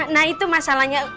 nah itu masalahnya